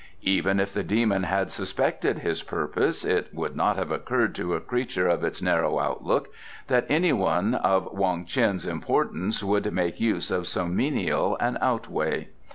Even if the demon had suspected his purpose it would not have occurred to a creature of its narrow outlook that anyone of Wong Ts'in's importance would make use of so menial an outway.